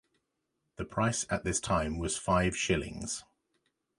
The price at this time was five shillings.